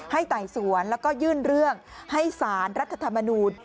ไต่สวนแล้วก็ยื่นเรื่องให้สารรัฐธรรมนูล